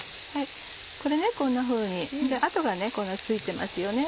これこんなふうに跡がついてますよね。